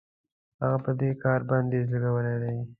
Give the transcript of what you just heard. هغه په دې کار بندیز لګولی دی.